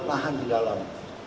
mahan di dalam